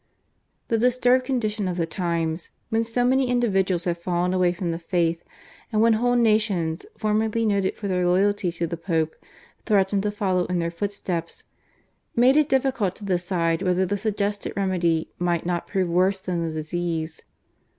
The disturbed condition of the times, when so many individuals had fallen away from the faith and when whole nations formerly noted for their loyalty to the Pope threatened to follow in their footsteps, made it difficult to decide whether the suggested remedy might not prove worse than the disease.